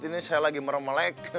ini saya lagi meremelek